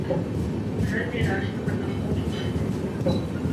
گھر میں راشن ختم ہو چکا ہے